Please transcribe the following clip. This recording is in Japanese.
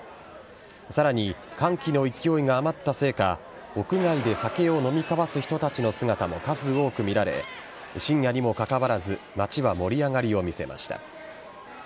さらに歓喜の勢いが余ったせいか屋外で酒を飲み交わす人たちの姿も数多く見られ深夜にもかかわらず街は盛り上がりを見せました。